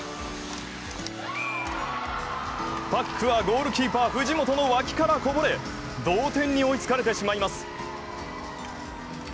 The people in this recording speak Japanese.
パックはゴールキーパー藤本の脇からこぼれ、同点に追いつかれてしまいます。